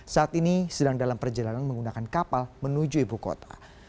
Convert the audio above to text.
saat ini sedang dalam perjalanan menggunakan kapal menuju ibu kota